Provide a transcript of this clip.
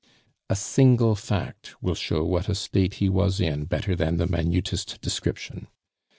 A single fact will show what a state he was in better than the minutest description.